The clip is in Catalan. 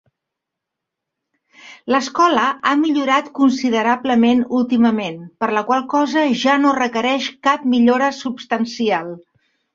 L'escola ha millorat considerablement últimament, per la qual cosa ja no requereix cap millora substancial.